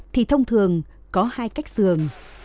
thì thông thường có hai cách sườn